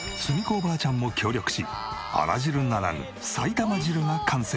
おばあちゃんも協力しあら汁ならぬ埼玉汁が完成。